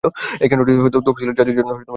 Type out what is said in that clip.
এই কেন্দ্রটি তফসিলি জাতি জন্য সংরক্ষিত।